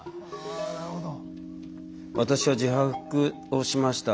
「私は自白をしました。